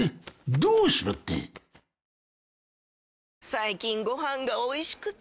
最近ご飯がおいしくて！